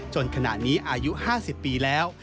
ขณะนี้อายุ๕๐ปีแล้ว